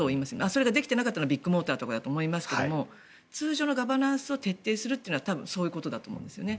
それができてなかったのがビッグモーターだと思いますが通常のガバナンスを徹底するというのはそういうことだと思うんですね。